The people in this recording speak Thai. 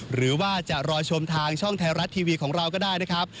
หรือว่าจะรอชมทางช่องไทยรัฐทีวีของเราก็ได้นะครับ